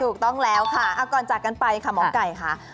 ถูกต้องแล้วค่ะก่อนจากกันไปค่ะหมอไก่ค่ะ